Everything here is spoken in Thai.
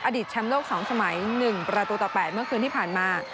อดิษฐ์แชมป์โลก๒สมัย๑ประตูตะแปดเมื่อคืนที่ผ่านมา